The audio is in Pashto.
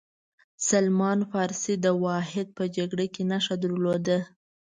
سلمان فارسي داوحد په جګړه کې نښه درلوده.